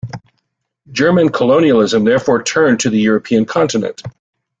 German colonialism therefore turned to the European continent.